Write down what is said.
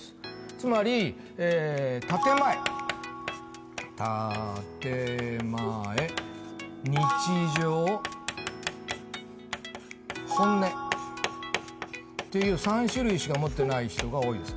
つまり建前たてまえ日常本音っていう３種類しか持ってない人が多いです